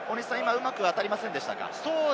うまく当たりませんでしたか？